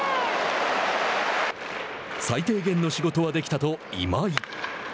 「最低限の仕事はできた」と今井。